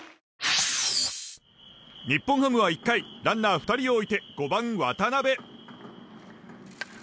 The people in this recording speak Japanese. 日本ハムは１回ランナー２人を置いて５番、渡邉。